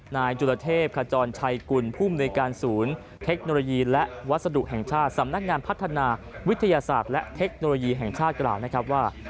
นายจุลเทพขจรชัยกุลผู้มนุยการศูนย์เทคโนโลยีและวัสดุแห่งชาติสำนักงานพัฒนาวิทยาศาสตร์และเทคโนโลยีแห่งชาติกล่าวนะครับว่า